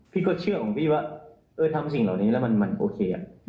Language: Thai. พี่ก็เชื่อของพี่ว่าทำสิ่งเหล่านี้แล้วมันโอเค